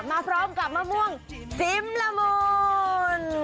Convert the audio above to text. มาพร้อมกับมะม่วงจิ้มละมูล